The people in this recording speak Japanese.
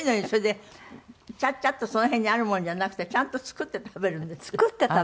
それでチャッチャッとその辺にあるものじゃなくてちゃんと作って食べるんですって。